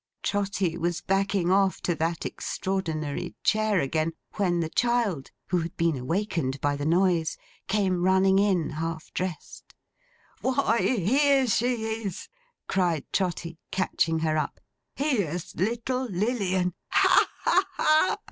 Trotty was backing off to that extraordinary chair again, when the child, who had been awakened by the noise, came running in half dressed. 'Why, here she is!' cried Trotty, catching her up. 'Here's little Lilian! Ha ha ha!